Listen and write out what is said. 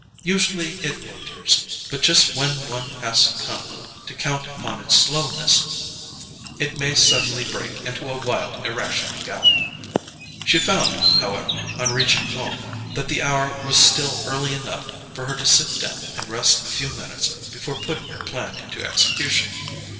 Usually it loiters; but just when one has come to count upon its slowness, it may suddenly break into a wild irrational gallop. She found, however, on reaching home, that the hour was still early enough for her to sit down and rest a few minutes before putting her plan into execution.